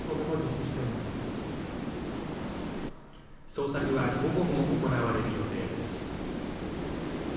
捜索は午後も行われる予定です。